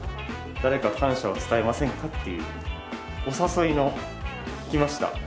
誰か感謝を伝えませんかっていうお誘いの来ました。